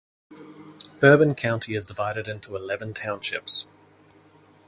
Bourbon County is divided into eleven townships.